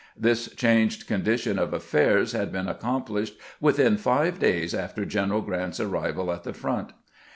This changed condition of affairs had been accomplished within five days after General Grant's arrival at the front.